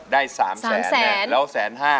ได้๓แสนแล้วแสน๕